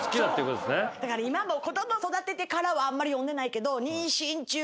今子供育ててからはあんまり読んでないけど。